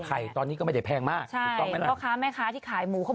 ไข่ตอนนี้ก็ไม่ได้แพงมากใช่ราคาแม่ค้าที่ขายหมูเขา